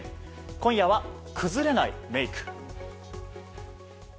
今夜は、崩れないメイク。